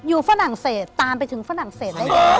อยู่ฝรั่งเศสตามไปถึงฝรั่งเศสได้เลย